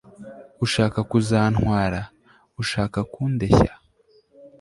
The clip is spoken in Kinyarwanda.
ushaka kuzantwara, ushaka kundeshya